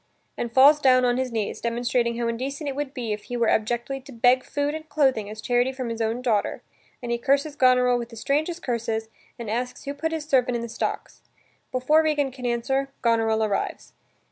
and falls down on his knees demonstrating how indecent it would be if he were abjectly to beg food and clothing as charity from his own daughter, and he curses Goneril with the strangest curses and asks who put his servant in the stocks. Before Regan can answer, Goneril arrives.